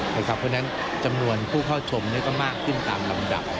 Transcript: เพราะฉะนั้นจำนวนผู้เข้าชมก็มากขึ้นตามลำดับ